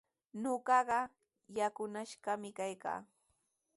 Ñuqaqa yakunashqami kaykaa.